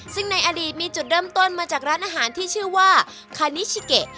ซึ่งในอดีตมีจุดเริ่มต้นมาจากร้านอาหารที่ชื่อว่าคานิชิเกะ